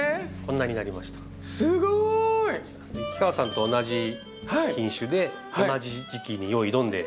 氷川さんと同じ品種で同じ時期によいどんで。